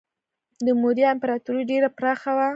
د موریا امپراتوري ډیره پراخه وه.